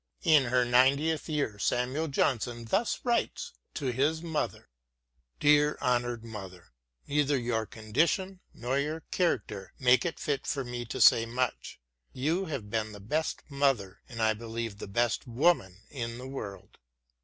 In her ninetieth year Samuel Johnson thus writes to his mother : Dear honoured mother. Neither your condition nor your character make it fit for me to say much. You have been the best mother and I believe the best woman in the world.